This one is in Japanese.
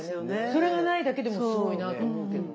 それがないだけでもすごいなあと思うけど。